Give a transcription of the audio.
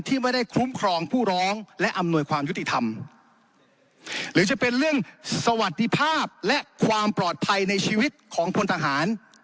ไม่ได้คุ้มครองผู้ร้องและอำนวยความยุติธรรมหรือจะเป็นเรื่องสวัสดิภาพและความปลอดภัยในชีวิตของพลทหาร